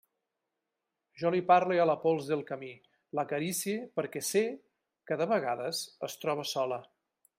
Jo li parle a la pols del camí, l'acaricie, perquè sé que, de vegades, es troba sola.